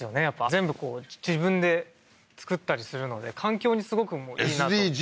やっぱ全部こう自分で造ったりするので環境にすごくＳＤＧｓ？